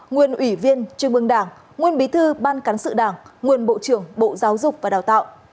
nguyên ủy viên trung ương đảng nguyên bí thư ban cán sự đảng nguyên bộ trưởng bộ giáo dục và đào tạo